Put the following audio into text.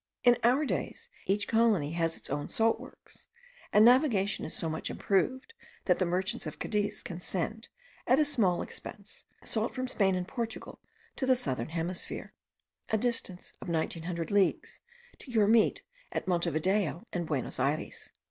In our days, each colony has its own salt works, and navigation is so much improved, that the merchants of Cadiz can send, at a small expense, salt from Spain and Portugal to the southern hemisphere, a distance of 1900 leagues, to cure meat at Monte Video and Buenos Ayres.